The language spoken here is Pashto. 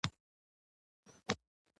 او نه يې څوک راته په قرض راکوي.